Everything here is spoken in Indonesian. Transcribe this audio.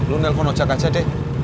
lu nelfon ojek aja deh